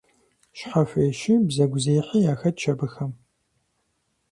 Щхьэхуещи бзэгузехьи яхэтщ абыхэм.